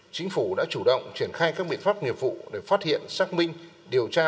chính phủ đã chủ động triển khai các biện pháp nghiệp vụ để phát hiện xác minh điều tra